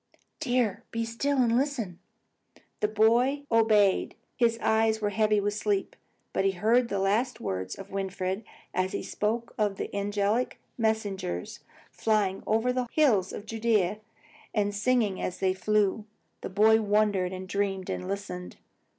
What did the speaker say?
"Dear, be still, and listen!" The boy obeyed. His eyes were heavy with sleep. But he heard the last words of Winfried as he spoke of the angelic messengers, flying over the hills of Judea and singing as they flew. The child wondered and dreamed and listened.